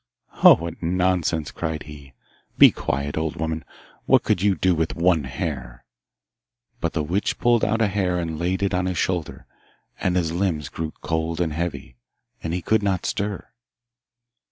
'Oh, what nonsense!' cried he. 'Be quiet, old woman. What could you do with one hair?' But the witch pulled out a hair and laid it on his shoulder, and his limbs grew cold and heavy, and he could not stir.